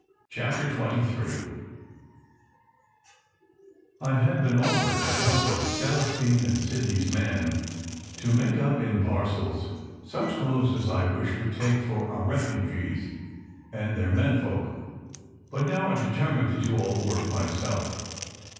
CHAPTER XXIII I HAD been offered the help of Celestine and Sid ney s man to make up in parcels such clothes as I wished to take for our refugees and their men folk; but now I determined to do all the work myself.